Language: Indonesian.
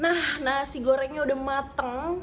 nah nasi gorengnya sudah matang